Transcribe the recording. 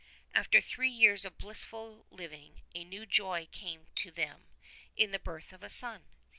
After three years of blissful living a new joy came to them in the birth of a son.